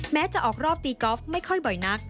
จะออกรอบตีกอล์ฟไม่ค่อยบ่อยนัก